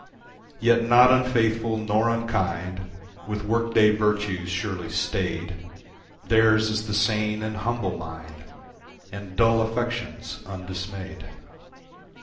Yet not unfaithful nor unkind, with work day virtues surely staid, Theirs is the sane and humble mind, And dull affections undismayed.